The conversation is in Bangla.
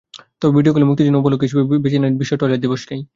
তবে ভিডিওগুলো মুক্তির জন্য উপলক্ষ হিসেবে ভূমি বেছে নিলেন বিশ্ব টয়লেট দিবসকেই।